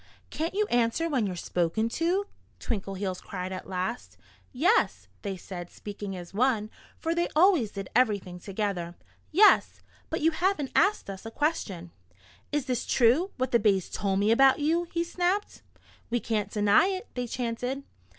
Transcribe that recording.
"Can't you answer when you're spoken to?" Twinkleheels cried at last. "Yes!" they said, speaking as one for they always did everything together. "Yes! But you haven't asked us a question." "Is this true what the bays told me about you?" he snapped. "We can't deny it," they chanted.